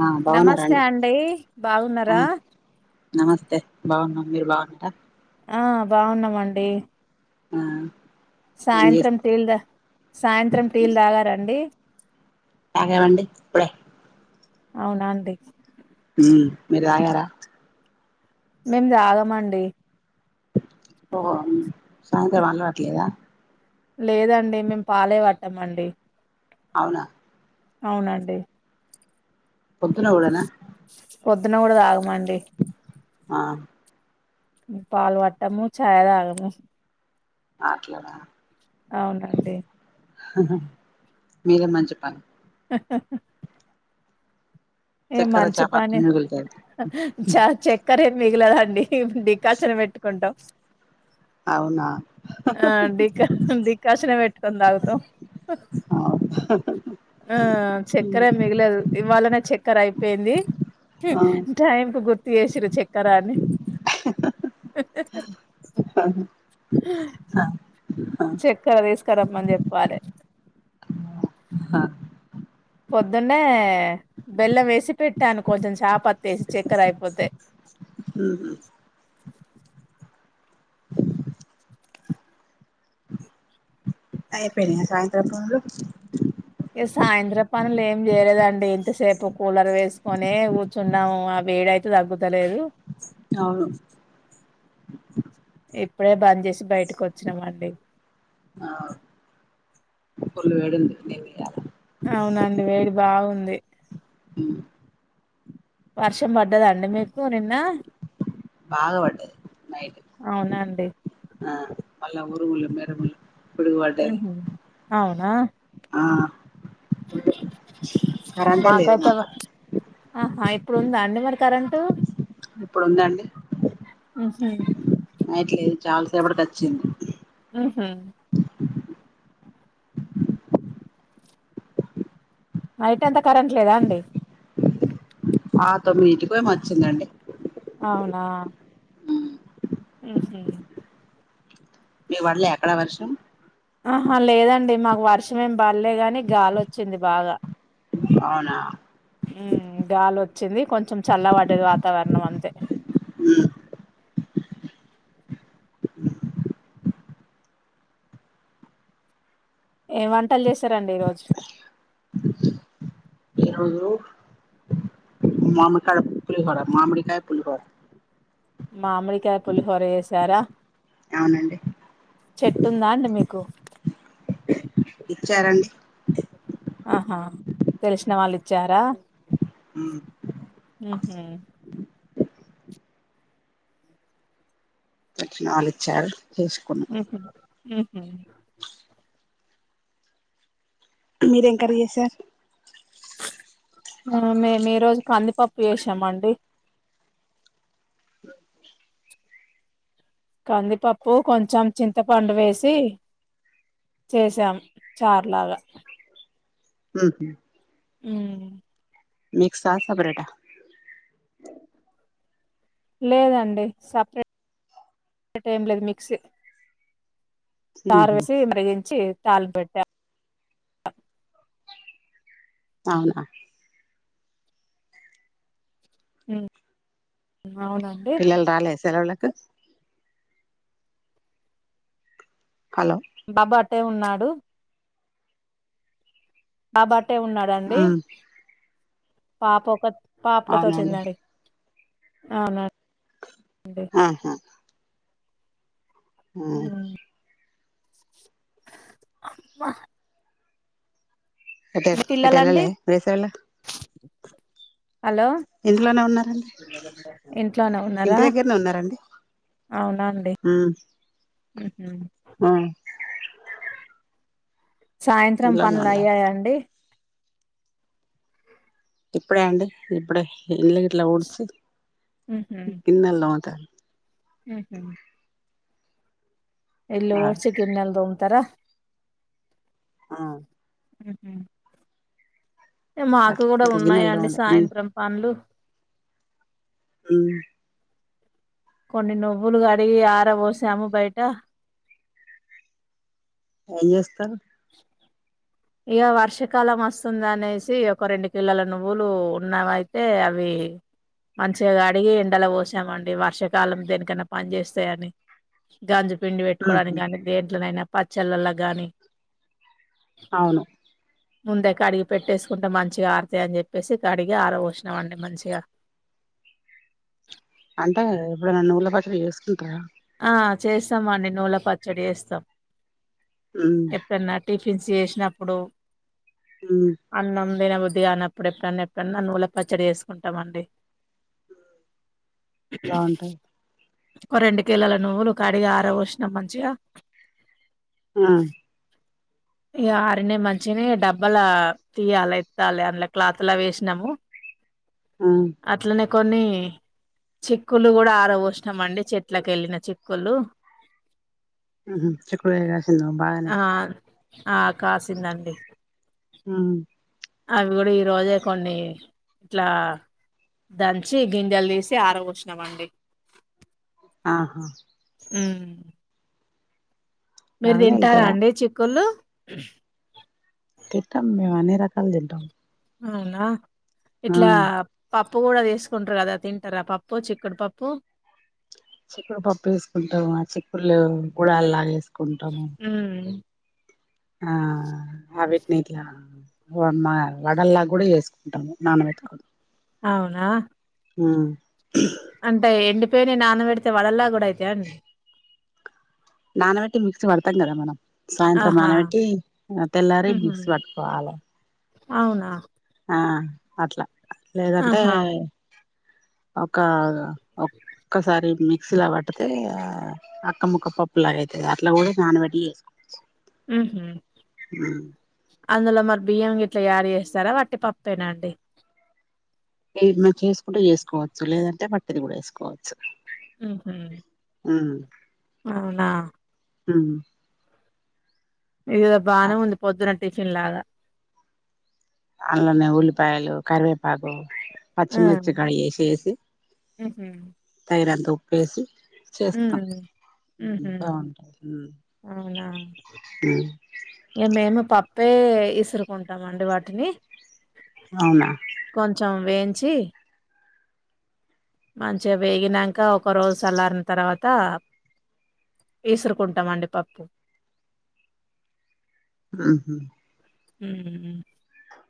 ఆ నమస్తే బాగున్నారండి అండి ఆ బాగున్నారా నమస్తే బాగున్నా మీరు బాగున్నర ఆ బాగున్నామండి ఆ ఏం చేస్ సాయంత్రం టీల్ ద సాయంత్రం టీలు తాగారండి తాగమండి ఇప్పుడే అవునాండి మీరు తాగారా మేం తాగమండి ఓ హో సాయంత్రం అలవాట్లేదా లేదండి మేము పాలే పట్టము అండి అవునా అవునండి పొద్దున కూడానా పొద్దున్న కూడా తాగ మండి ఆ పాల్ వట్టము చాయ తాగము అట్లానా అవునండి హహ మీరే మంచిపని హహ హా ఏ చక్కర మంచి చపాతి పని మిగులుతాయి చ చెక్కర్ ఏ మిగిలద అండి మేము డికాషన్ పెట్టుకుంటాం అవునా ఆ డికాషన్ డికాషన్ పెట్టుకొని తాగుతాం ఆ ఆ చక్కర ఏం మిగులదు ఇవాళనే చే క్కర అయిపెంది ఆ టైమ్ కు గు ర్తు చేసిరు చె కరాని ఆ చక్కర వేసు రమ్మని చెప్పాలే హ పొద్దున్నే బెల్లం వేసి పెట్టాను కొంచెం చాపత్త ఏసి చక్కెర అయిపోతే హ అయిపోనియ సాయంత్రం పనులు ఏ సాయంత్రం పనులు ఏం చేయలేదండి ఇంతసేపు కూలర్ వేసుకొనే కూర్చున్నాము ఆ వేడైతే తగ్గుతలేదు అవును ఇప్పుడే బంజేసి బయట కోచ్చినమండి ఆ ఫుల్ వేడుంది నిన్న ఈయాల అవునండి వేడి బాగుంది ఉ వర్షం పడ్డదండి మీకు నిన్న బాగాపడ్డదీ అవునా అండి. అలా మొరబుల్ మెమొరబుల్ ఉహూ అవునా. ఆ కరెంటే లేదు మాకు మాకాతవా ఆహ్ ఎప్ ఇప్పుడు ఉందా అండి. మరి కరెంటు ఇప్పుడుందండి. ఉహు నేట్లేదు. చాలాసేపటికి వచ్చింది. ఉహూ నైట్ అంతా కరెంట్ లేదా అండి. ఆహ్ తొమ్మిదియిటికి ఏమో వచ్చిందండి. అవునా. ఉమ్మ్ మీకు పడలే అక్కడ వర్షం. ఆహా లేదండి. మాకు వర్షంమేం బల్లే గాని గాలొచ్చింది బాగా. అవునా. ఉమ్ గాలి వచ్చింది. కొంచెం చల్లపడ్డది వాతావరణం అంతే. ఉహూ ఏం వంటలు చేసారండి. ఈరోజు ఈరోజు మామిడికాడ పులిహోర, మామిడికాయ పులిహోర. మామిడికాయ పులిహోర చేసారా. అవునండి చెట్టుందా అండి. మీకు ఇచ్చారండి. ఆహా తెలిసిన వాళ్ళు ఇచ్చారా. ఉమ్ ఉహూ తెలిసిన వాళ్లిచ్చారు. చేసుకున్నా. ఉహూ మీరేం కర్రి చేసారు. మేము ఈరోజు కందిపప్పు చేసామండి. కందిపప్పు కొంచెం చింతపండు వేసి చేసాము చార్లాగా. ఉహూ ఉమ్ మిక్సా సపరేటా. లేదండి. సపరేట్ రేట్ ఏం లేదు మిక్స్. చారు ఉహు. పోసి మరిగించి. తాలింపు పెట్టా. అవునా. ఉమ్ అవునా అండి. పిల్లలు రాలే సెలవులకు. హలో బాబు అటే ఉన్నాడు. మా బాబు అట్ అట్టే ఉన్నాడండి ఉమ్, పాప ఒక పాపకతో అవునండి చెందడి అవునా ఆహా ఆ అబ్బ ఎట పిల్లలండి ఎటలాలే వేస వెళ్ళ హలో ఉన్నారండి ఇంట్లోనే ఇంటి ఉన్నారా దగ్గరనే ఉన్నారండి అవునా అండి ఉమ్ ఉహుం ఆ సాయంత్రం ఇంట్లోనే పనులు ఉన్నారు అయ్యాయండి ఇప్పుడే అండి ఇప్పుడే ఇలు గట్లా ఊడిచి గిన్నెలు తోమ్మాలి ఆహామ్ ఇల్లు ఆ ఉడ్సి గిన్నెల్ దోమ్తారా ఆ ఉహుం మాకు అట్లా కూడా ఇంకా గిన్నెలు ఉన్నాయండి తోమలే సాయంత్రం పనులు ఆమ్ కొన్ని నువ్వులు అడిగి ఆర పోసాము బయట ఏం చేస్తారు ఇక వర్షాకాలం వస్తుంది అనేసి ఒక రెండు కిల్లల నువ్వులు ఉన్నావయితే అవి మంచిగా కడిగి ఎండలో పోసామండి వర్షాకాలం దేనికన్నా పని చేస్తాయని గగాంజి పిండి ఉహు పెట్టుకోవడానికి కానీ దేండ్లనైనా పచ్చళ్ళలో గానీ అవును ముందే కడిగి పెట్టేసుకుంటే మంచిగా ఆరతాయ అని చెప్పేసి కడిగి ఆరబోసినామండి మంచిగా అంటే ఇప్పుడు నవ్వులు పచ్చలు చేసుకుంటారా ఆ చేస్తాంమండి నూల పచ్చడి చేస్తాం ఉమ్ ఎప్పన్నా టిప్ ఫిస్ చేసినప్పుడు ఉమ్ అన్నం న బుద్ధిగా అనప్పుడు ఎప్పుడనా ఎప్పుడనా నన్ను నూల పచ్చడి వేసుకుంటామండి బాగుంటాయి ఒక రెండు కిలల నువ్వులు కడిగి ఆర పోసినాం మంచిగా హా ఈ ఆరినే మంచిగనే డబ్బలా తీయాలే ఎత్తాలె అందులో క్లాత్ లా వేసినాము ఆ అట్లనే కొన్ని చిక్కులు కూడా ఆర పోసినాం అండి చెట్లకేళ్ళిన చిక్కులు ఉహు చిక్కుడుకాయ కాసిందా బానే ఆ ఆ కాసిందండి ఉమ్ అవి గూడ ఈ రోజే కొన్ని ఇట్లా దంచి గింజెలు తీసి ఆరబోసినామండి ఆహా ఉమ్ మీరు బాగానే తింటారా వెళ్తాయా అండి చిక్కుళ్లు తింటాం మేము అన్ని రకాలు తింటాం అవునా ఇట్లా ఆ పప్ ప్పు కూడా చేసుకుంటారు గదా తింటార పప్పు చిక్కుడు పప్పు చిక్కుడు కుడాలు నానేస్ మ్మ్ ఆ అవిటిని ఇట్ల వన్ మా వడల్లా కూడా ఎసుకుంటాము నానబెట్టుకోని అవునా మ్మ్ అంటే ఎండి పోయినవి నాన పెడితే వడల్ల కూడా అయితయ అండి నానబెట్టి మిక్సీ పడతాం కదా మనం సాయంత్రం ఆహా! నాన పెట్టి తెల్లారి హుహు. మిక్సి పట్టుకోవాలే అవునా ఆ అట్ల లేదంటే ఆహా! ఒకా ఒక్క సారి మి క్సి లా పడితే అక్క ముక్క పప్పు లాగైతే అట్లా కూడా నానబట్టి చేసుకో ఉహూ అందులో మరి బియ్యం గిట్లా యాడ్ చేస్తారా వట్టి పప్పేనా అండి ఏమో చేసుకుంటే చేసుకోవచ్చు లేదంటే వట్టిది కూడా ఏసుకోవచ్చు ఊహూ అవునా ఉమ్ ఇది ఏదో బానే ఉంది పొద్దున టిఫిన్ లాగా అంలనే ఉల్లిపాయలు కరివే పాకు ఆ! పచ్చిమిర్చి కాయ యేసేసి హుహు. తగినంత ఉప్పు వేసి చేస్తాం హ్మ్. ఉహు హుహు. బాగుంటది ఉహ్ అవునా? ఉహ్ ఇగ మేమే పప్పే ఇసురుకుంటాం అండి వాటిని. ఔనా చి మంచిగా వేగిన్నాకా ఒక రోజు సల్లారిన తర్వాత ఇసురుకుంటాం అండి పప్పు. ఉహు ఊహ్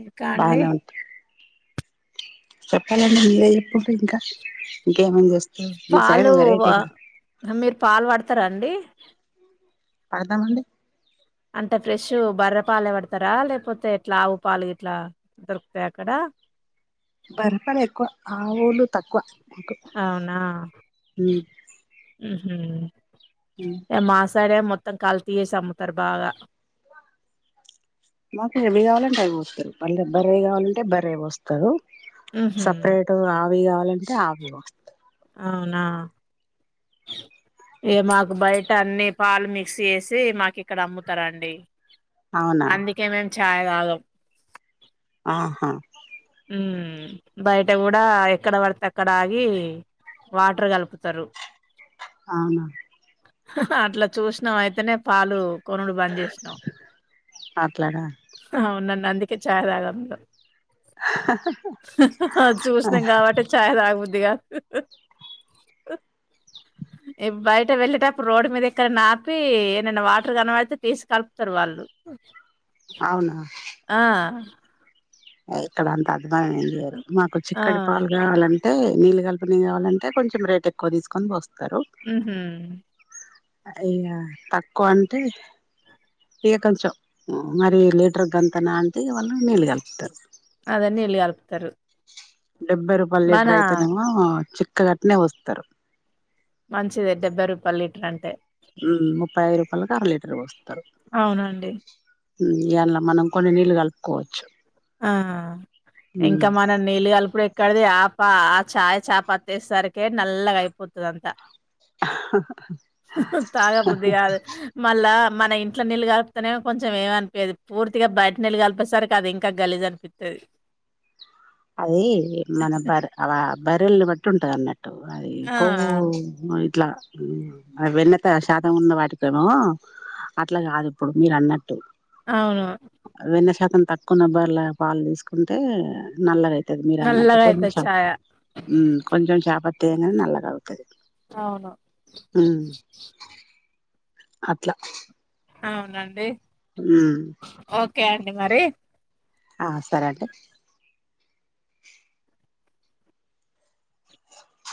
ఇంకా అండి. బాగానే ఉంటాయి చెప్పాలండి మీరే చెప్పుండ్రి ఇంకా ఇంకేమేం చేస్ పాలు మీర్ పాల్ వాడుత్ తరా అండి పడతమండి స్తరా లేకపోతే ఎట్లా ఆవు పాలు గిట్లా దొరుకుతాయి అక్కడ. బర్రె పాలు ఎక్కువ ఆవు పాలు తక్కువ. మాకు ఔనా ఉ హ్ ఉ హ్ ఏ మా సైడే మొ మొత్తం కల్తీ చేసి అమ్ముతారు బాగా. మాకు ఏవి కావాలంటే అవి పోస్తారు పళ్ళె బర్రెయ్యి కావాలంటే బర్రెయి పోస్తారు. ఉహు సెపరేటు ఆ వుయి కావాలంటే ఆవుయి పోస్తారు అవునా ఏ మాకు బయట అన్నీ పాలు మిక్స్ చేసి మాకిక్కడ అమ్ముతరు అండి. అవునా అందికే మేం ఛాయ్ తాగం. ఆహా ఉహ్ బయట కూడా ఎక్కడ పడితే అక్కడ ఆగి వాటర్ కలుపుతారు. అవునా హ్అహ్ హ అట్లా చూసినాం అయితేనే పాలు. కొనుడు బంద్ చేసినాం అట్లానా అవునం. నందుకే ఛాయ్ తాగా అంత హహ హా ఆ చూసినాం కాబట్టే ఛాయ్ తాగబుద్దిగాద్. హ్ హ్ హ్ ఏ బయ్ తే వెళ్ళేటప్పుడు రోడ్ మీద ఎక్కడన్నా ఆపీ. ఏడ్నన్న వాటర్ కనబడితే తీస్ కల్పతరు వాళ్ళు అవునా ఆ ఇక్కడంతా అద్వానం ఏం చేయరు. మాకు ఆ చిక్కటి పాలు కావాలని. తే నీళ్ళు కల్పనివి కావాలంటె కొంచెం రేట్ ఎక్కువ తీసుకొన్ పోస్త ఉహూ ఇగా తక్కువ అంటే, ఇగ కొంచెం, మరీ లీటర్ గంతనా అంటే ఇగ వాళ్ళు నీళ్ళు గల్ప తర్ అదే నీళ్ళు కలుపుతారు. డెబ్భై రూపాల్ మన లీటర్ అయితే నెమో చిక్ క్కగా అట్నే పోస్తరు. మంచిదే డెబ్భై రూపాల్ లీటర్ అంటే ఉమ్ ముప్పై ఐదు రూపాలకి అర లీటరు పోస్తరు. అవునండి. ఉమ్ ఇగ అల్ల మనం కొన్ని నీళ్ళు కలుపుకోవచ్చు. ఆ ఇంకా మనం నీళ్ళు కలుపుడెక్కడిది ఆప్ పా ఆ ఛాయ్ చాపత్త ఏస్సరికే నల్లగ అయిపోతది అంతా. తాగబుద్ది కాదు. మళ్ళా మన ఇంట్లో నీళ్లు కల్పుతనేమొ కొంచెం ఏమన్పియదు. పూర్తిగ బయట్ నీళ్ళు కలిపేసరికి అది ఇంక్ కా గలీస్ అనిపిత్తది. అదీ మన బర అవా బర్రెల్ని బట్ ట్టుంటది అన్నట్టు. అదీ ఆ కొవ్వూ అట్లా వెన్న త శాతం ఉన్న వాటికేమో, అట్ల కాదు ఇప్పుడు మీరు అన్నట్టు అవును తక్కున్న బర్ల పాలని తీసుకుంటే నల్లగైత్ తద్ మీరు అన్నట్టు నల్లగా అయితది కొంచెం చాయ. ఉమ్ కొంచెం చేప తేనే నల్లగౌ అవును అట్లా అవునండి ఉమ్ కె అండి మరీ ఆ సరే అండి.